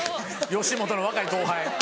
吉本の若い後輩。